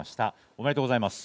おめでとうございます。